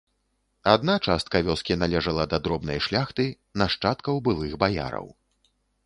Адна частка вёскі належала да дробнай шляхты, нашчадкаў былых баяраў.